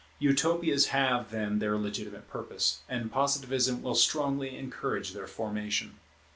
Utopias have, then, their legitimate purpose, and Positivism will strongly encourage their formation.